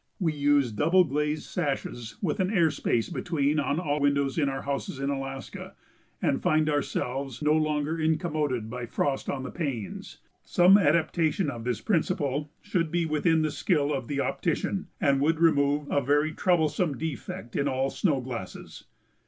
We use double glazed sashes with an air space between on all windows in our houses in Alaska and find ourselves no longer incommoded by frost on the panes; some adaptation of this principle should be within the skill of the optician and would remove a very troublesome defect in all snow glasses.